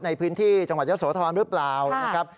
ในพื้นที่จังหวัดเยอะโสธรหรือเปล่านะครับ